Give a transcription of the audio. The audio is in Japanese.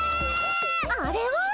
あれは。